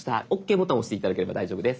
ボタン押して頂ければ大丈夫です。